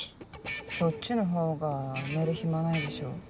そっちのほうが寝る暇ないでしょ。